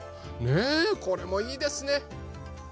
ねえこれもいいですね。